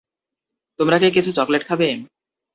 তোমরা কি কিছু চকলেট খাবে?